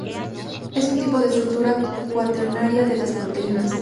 Es un tipo de estructura cuaternaria de las proteínas.